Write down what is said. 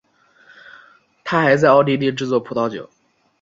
他还在奥地利制作葡萄酒。